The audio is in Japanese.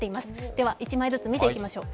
では１枚ずつ見ていきましょう。